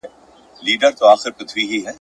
کبابیږي به زړګی د دښمنانو ..